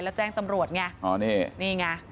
แล้วแจ้งตำรวจไงนี่ไอ้หง่า